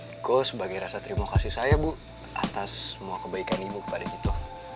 eko sebagai rasa terima kasih saya bu atas semua kebaikan ibu kepada kita